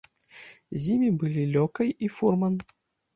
З імі былі лёкай і фурман.